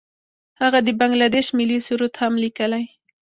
هغه د بنګله دیش ملي سرود هم لیکلی.